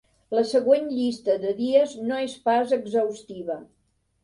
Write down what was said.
La següent llista de dies no és pas exhaustiva.